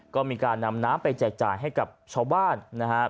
ก็มีการนำน้ำไปแจกจ่ายให้กับชาวบ้านนะครับ